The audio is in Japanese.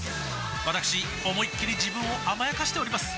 わたくし思いっきり自分を甘やかしております